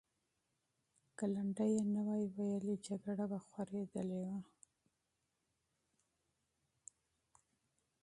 که لنډۍ یې نه وای ویلې، جګړه به خورېدلې وه.